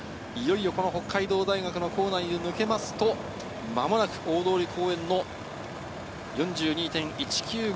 北海道大学の構内を抜けますと、間もなく大通公園の４２．１９５